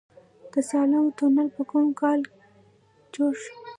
د سالنګ تونل په کوم کال جوړ شو؟